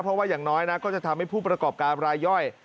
เพราะว่าอย่างน้อยนะก็จะทำให้ผู้ประกอบการรายย่อย